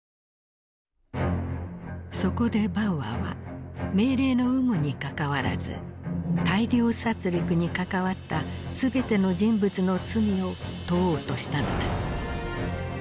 そこでバウアーは命令の有無にかかわらず大量殺りくに関わった全ての人物の罪を問おうとしたのだ。